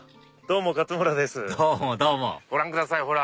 どうもどうもご覧ください！